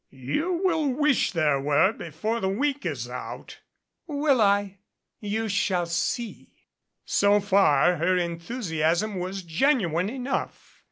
"You will wish there were before the week is out." "Will I? You shaU see." So far her enthusiasm was genuine enough.